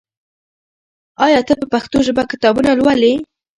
آیا ته په پښتو ژبه کتابونه لولې؟